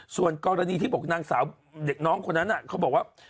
ส่วนกรณีที่บอกนางสาวเด็กน้องคนนั้นเขาบอกว่า